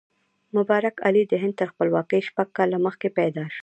مبارک علي د هند تر خپلواکۍ شپږ کاله مخکې پیدا شو.